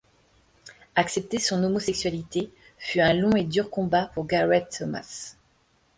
Accepter son homosexualité fut un long et dur combat pour Gareth Thomas.